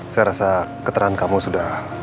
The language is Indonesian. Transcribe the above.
saya rasa keterangan kamu sudah